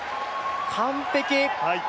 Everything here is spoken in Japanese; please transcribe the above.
完璧！